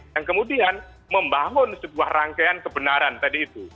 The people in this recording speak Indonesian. dan kemudian membangun sebuah rangkaian kebenaran tadi itu